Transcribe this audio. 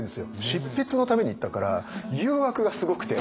執筆のために行ったから誘惑がすごくて。